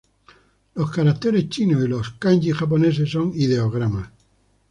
Los caracteres chinos y los kanji japoneses son ideogramas.